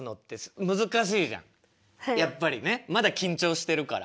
やっぱりねまだ緊張してるから。